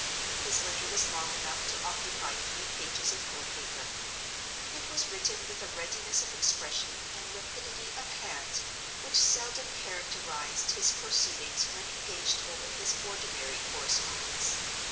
His letter was long enough to occupy three pages of note paper; it was written with a readiness of expression and a rapidity of hand which seldom characterized his proceedings when engaged over his ordinary correspondence.